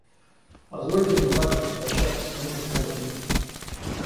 Позвольте мне также попрощаться с моими коллегами.